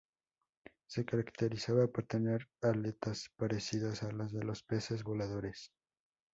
Se caracterizaba por tener aletas parecidas a las de los peces voladores.